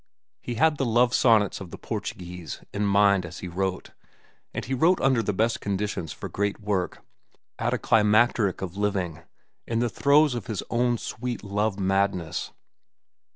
He had the "Love sonnets from the Portuguese" in mind as he wrote, and he wrote under the best conditions for great work, at a climacteric of living, in the throes of his own sweet love madness.